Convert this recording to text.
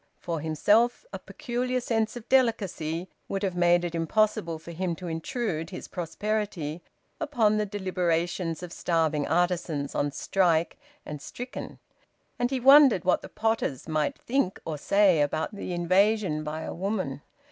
For himself, a peculiar sense of delicacy would have made it impossible for him to intrude his prosperity upon the deliberations of starving artisans on strike and stricken; and he wondered what the potters might think or say about the invasion by a woman.